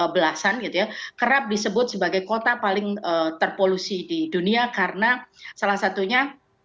belasan gitu ya kerap disebut sebagai kota paling terpolusi di dunia karena salah satunya